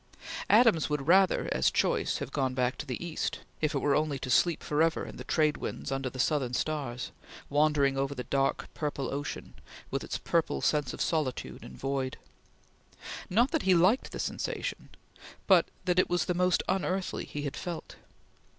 Adams would rather, as choice, have gone back to the east, if it were only to sleep forever in the trade winds under the southern stars, wandering over the dark purple ocean, with its purple sense of solitude and void. Not that he liked the sensation, but that it was the most unearthly he had felt.